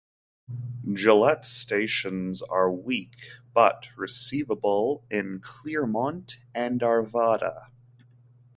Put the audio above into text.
Gillette stations are weak but receivable in Clearmont and Arvada.